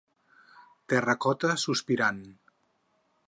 Terracota sospirant.